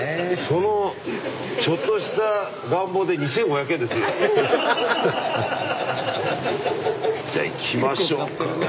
そのちょっとした願望で２，５００円ですよ。ハハハ！じゃあいきましょうか。